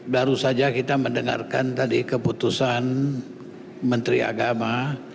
baru saja kita mendengarkan tadi keputusan menteri agama